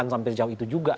sampai jauh itu juga